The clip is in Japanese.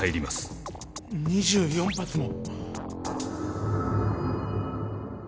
２４発も。